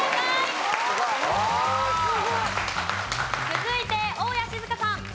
続いて大家志津香さん。